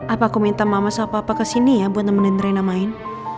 apa aku minta mama sama papa kesini ya buat nemenin rena main